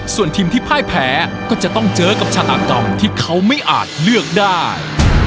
ส่วนทีมที่พ่ายแพ้ก็จะต้องเจอกับชาตากรรมที่เขาไม่อาจเลือกได้